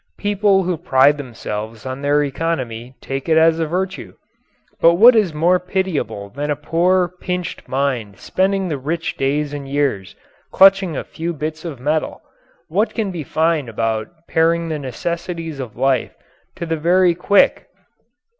People who pride themselves on their economy take it as a virtue. But what is more pitiable than a poor, pinched mind spending the rich days and years clutching a few bits of metal? What can be fine about paring the necessities of life to the very quick?